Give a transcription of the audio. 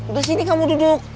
udah sini kamu duduk